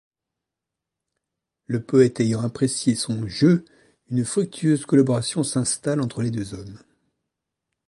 Le poète ayant apprécié son jeu, une fructueuse collaboration s'instaure entre les deux hommes.